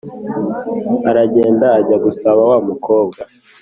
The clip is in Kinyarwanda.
aragenda ajya gusaba wa mukobwa.